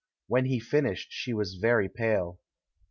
When he finished she w^as very pale.